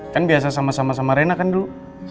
kan biasa sama sama sama rena kan dulu